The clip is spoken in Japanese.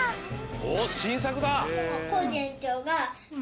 おしんさくだ！